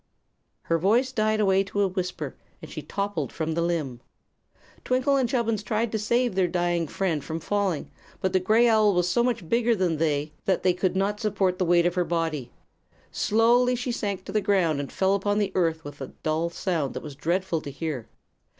Her voice died away to a whisper, and she toppled from the limb. Twinkle and Chubbins tried to save their dying friend from falling, but the gray owl was so much bigger than they that they could not support the weight of her body. Slowly she sank to the ground and fell upon the earth with a dull sound that was dreadful to hear.